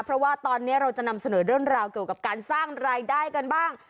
เพราะว่าตอนนี้เราจะนำเสนอเรื่องราวเกี่ยวกับการสร้างรายได้กันบ้าง